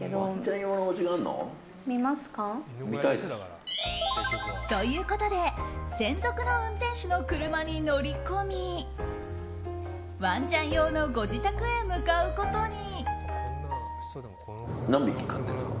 見たいです。ということで専属の運転手の車に乗り込みワンちゃん用のご自宅へ向かうことに。